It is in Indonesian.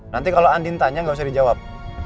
nanti kalau andin tanya nggak usah dijawab